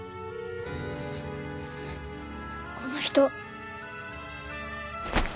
この人。